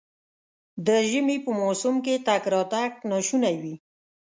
د ژمي په موسم کې تګ راتګ ناشونی وي.